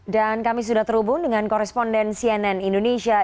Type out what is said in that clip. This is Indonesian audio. kami sudah terhubung dengan koresponden cnn indonesia